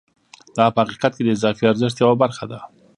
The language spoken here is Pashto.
دا په حقیقت کې د اضافي ارزښت یوه برخه ده